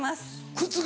靴が？